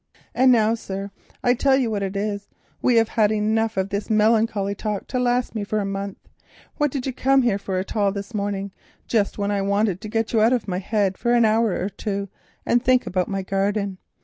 And now, sir, I tell you what it is, we have had enough of this melancholy talk to last me for a month. Why did you come here at all this morning, just when I wanted to get you out of my head for an hour or two and think about my garden?